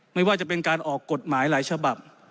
ไม่ว่าจะเป็นการออกกฎหมายหลายฉบับ